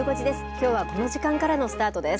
きょうはこの時間からのスタートです。